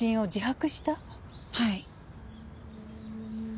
はい。